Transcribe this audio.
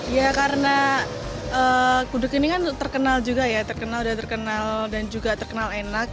ya karena gudeg ini kan terkenal juga ya terkenal sudah terkenal dan juga terkenal enak